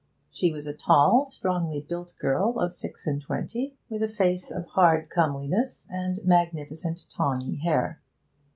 She was a tall, strongly built girl of six and twenty, with a face of hard comeliness and magnificent tawny hair.